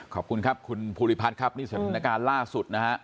ขอบคุณครับคุณภูริพัฒน์ครับนี่สถานการณ์ล่าสุดนะฮะ